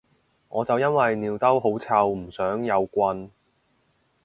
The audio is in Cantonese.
我就因為尿兜好臭唔想有棍